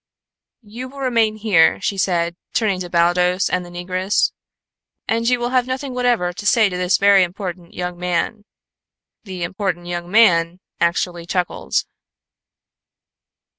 "You will remain here," she said, turning to Baldos and the negress. "And you will have nothing whatever to say to this very important young man." The "important young man" actually chuckled.